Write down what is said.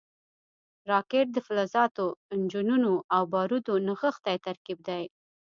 راکټ د فلزاتو، انجنونو او بارودو نغښتی ترکیب دی